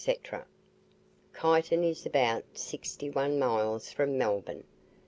Kyneton is about sixty one miles from Melbourne.